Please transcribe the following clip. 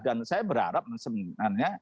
dan saya berharap semingguannya